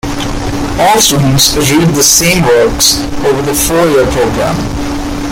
All students read the same works over the four-year program.